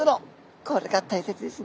これが大切ですね。